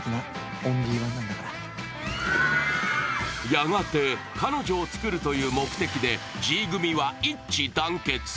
やがて彼女を作るという目的でＧ組は一致団結。